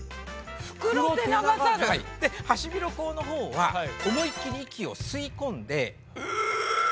フクロテナガザル。でハシビロコウのほうは思いっきり息を吸い込んで。